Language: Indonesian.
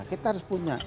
kita harus punya